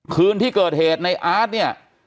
คืนที่เกิดเหตุในอาร์ตเนี่ย